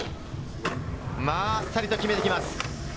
まぁ、あっさりと決めてきます。